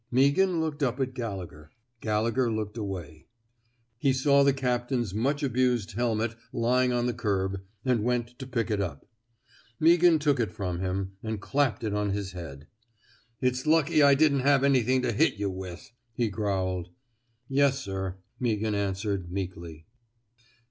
Meaghan looked up at Gallegher. Galle gher looked away. He saw the captain's much abused helmet lying on the curb, and went to pick it up. Meaghan took it from him, and clapped it on his head. It's lucky I didn't have anything to hit yuh with," he growled. Yes, sir," Gallegher answered, meekly.